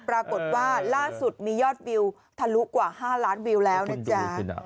ปรากฏว่าล่าสุดมียอดวิวทะลุกว่า๕ล้านวิวแล้วนะจ๊ะ